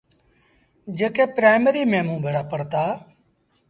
جيڪي پرآئيمريٚ ميݩ موݩ ڀيڙآ پڙهتآ۔